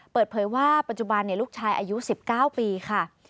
เปิดเผยว่าปัจจุบันลูกชายอายุ๑๙ปีค่ะ